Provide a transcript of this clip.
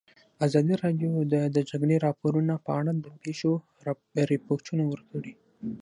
ازادي راډیو د د جګړې راپورونه په اړه د پېښو رپوټونه ورکړي.